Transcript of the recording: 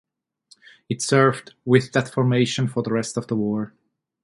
It served with that formation for the rest of the war.